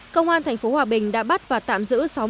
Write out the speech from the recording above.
công an tp hòa bình đã bắt và tạm giữ